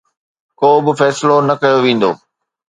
ڪو به فيصلو نه ڪيو ويندو